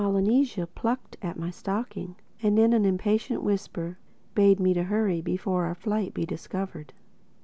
Polynesia plucked at my stocking and, in an impatient whisper, bade me hurry before our flight be discovered.